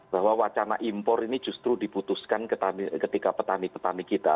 bahwa wacana impor ini justru diputuskan ketika petani petani kita